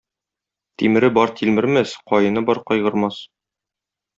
Тимере бар тилмермәс, каены бар кайгырмас.